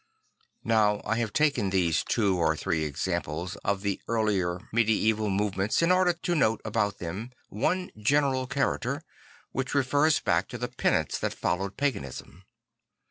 Now I have taken these two or three examples of the earlier medieval movements in order to note about them one general character, which refers back to the penance that followed paganism.